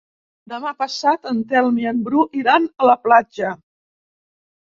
Demà passat en Telm i en Bru iran a la platja.